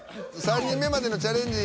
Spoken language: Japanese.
３人目までのチャレンジ